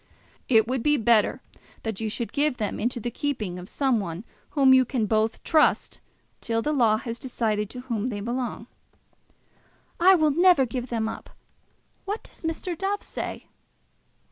"It will be better that you should give them into the keeping of some one whom you can both trust, till the law has decided to whom they belong." "I will never give them up. What does Mr. Dove say?"